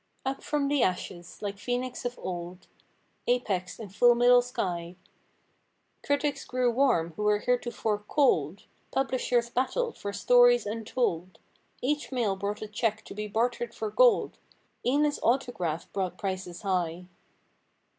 Up from the ashes, like Phoenix of old; "Apexed in full middle sky"— Critics grew warm who were heretofore cold; Publishers battled for stories untold; Each mail brought a check to be bartered for gold; E'en his autograph brought prices high.